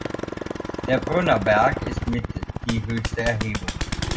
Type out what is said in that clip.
Der Brunner Berg ist mit die höchste Erhebung.